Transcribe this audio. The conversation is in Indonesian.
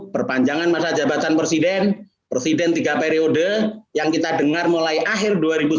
perpanjangan masa jabatan presiden presiden tiga periode yang kita dengar mulai akhir dua ribu sembilan belas